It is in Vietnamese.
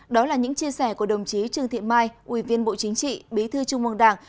đó là những chia sẻ của đồng chí trương thị mai ubnd bí thư trung mong đảng